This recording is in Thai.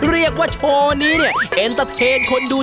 เรียกว่าโชว์นี้เนี่ยเห็นตะเทนคนดู